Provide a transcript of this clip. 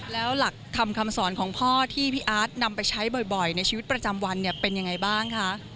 แล้วหลักธรรมคำสอนของพ่อที่พี่อาร์ตนำไปใช้บ่อยในชีวิตประจำวันเนี่ยเป็นยังไงบ้างคะ